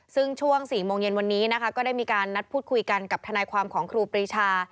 ซึ่งช่วง๔โมงเย็นวันนี้นะคะก็ได้มีการนัดพูดคุยกันกับทนายความของครูปรีชา